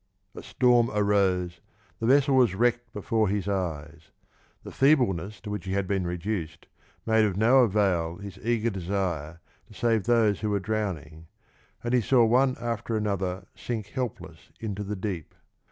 A storm arose, the vessel was wrecked before his eyes ; the feebleness to which he had been reduced made of no avail his eager desire to save those who were , drowning, and he saw one after another sink helpless into the deep.